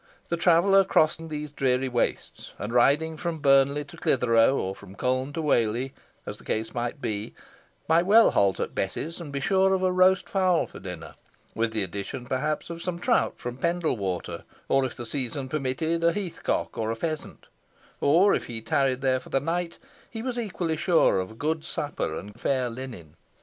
The traveller crossing those dreary wastes, and riding from Burnley to Clithero, or from Colne to Whalley, as the case might be, might well halt at Bess's, and be sure of a roast fowl for dinner, with the addition, perhaps, of some trout from Pendle Water, or, if the season permitted, a heath cock or a pheasant; or, if he tarried there for the night, he was equally sure of a good supper and fair linen.